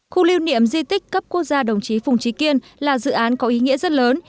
khu lưu niệm di tích cấp quốc gia đồng chí phùng trí kiên là dự án có ý nghĩa rất lớn